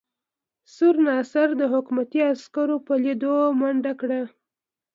سور ناصر د حکومتي عسکرو په لیدو منډه کړه.